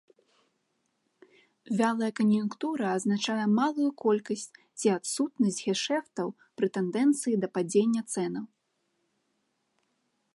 Вялая кан'юнктура азначае малую колькасць ці адсутнасць гешэфтаў пры тэндэнцыі да падзення цэнаў.